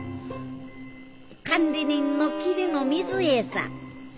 管理人の桐野みづえさん。